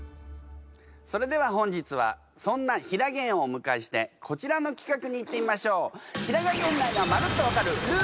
それでは本日はそんなひらげんをお迎えしてこちらの企画にいってみましょう。